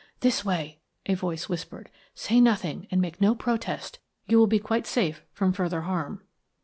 "This way," a voice whispered. "Say nothing, and make no protest. You will be quite safe from further harm."